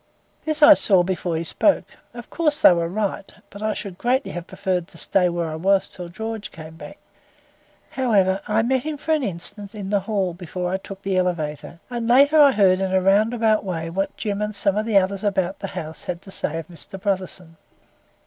This I saw before he spoke. Of course they were right. But I should greatly have preferred to stay where I was till George came back. However, I met him for an instant in the hall before I took the elevator, and later I heard in a round about way what Jim and some others about the house had to say of Mr. Brotherson.